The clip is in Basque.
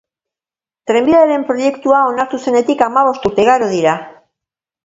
Trenbidearen proiektua onartu zenetik hamabost urte igaro dira.